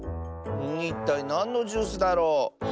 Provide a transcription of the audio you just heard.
いったいなんのジュースだろう？